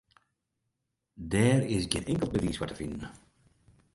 Dêr is gjin inkeld bewiis foar te finen.